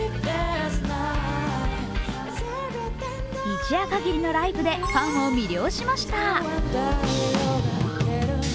一夜かぎりのライブでファンを魅了しました。